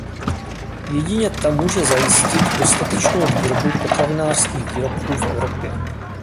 Jedině ta může zajisti dostatečnou výrobu potravinářských výrobků v Evropě.